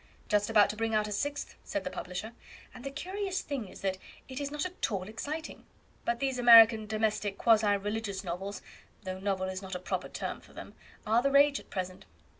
"Just about to bring out a sixth," said the publisher; "and the curious thing is that it is not at all exciting: but these American domestic quasi religious novels (though novel is not a proper term for them) are the rage at present.